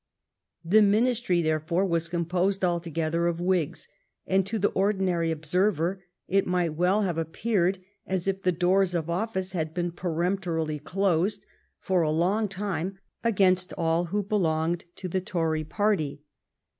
The ministiy, there fore, was composed altogether of Whigs, and to the ordinary observer it might well have appeared as if the doors of office had been peremptorily closed, for a long time, against all who belonged to the Tory party.